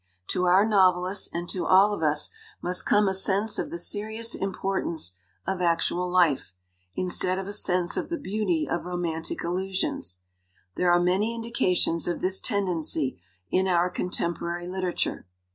To our novelists and to all of us must come a sense of the serious importance of actual life, instead of a sense of the beauty of romantic illusions. There are many indications of this tendency in our con temporary literature.